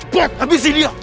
cepat habisi dia